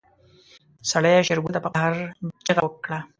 سړي شېرګل ته په قهر چيغه کړه.